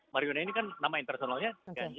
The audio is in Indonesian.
marihuana ini kan nama intersonalnya ganja